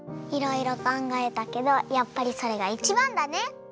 いろいろかんがえたけどやっぱりそれがいちばんだね！